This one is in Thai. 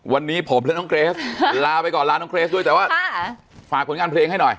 วันนี้ผมและน้องเกรสลาไปก่อนลาน้องเกรสด้วยแต่ว่าฝากผลงานเพลงให้หน่อย